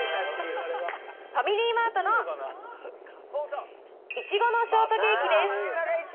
ファミリーマートのいちごのショートケーキです。